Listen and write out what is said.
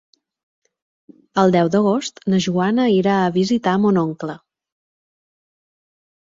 El deu d'agost na Joana irà a visitar mon oncle.